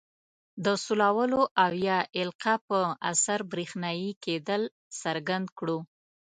د سولولو او یا القاء په اثر برېښنايي کیدل څرګند کړو.